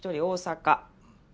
大阪。